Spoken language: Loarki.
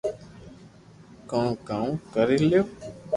ڪو ڪاو ڪري ليو